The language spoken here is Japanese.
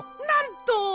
なんと！